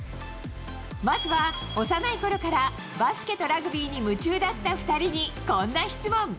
まずは、幼いころからバスケとラグビーに夢中だった２人に、こんな質問。